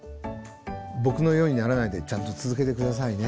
僕のようにならないでちゃんと続けて下さいね。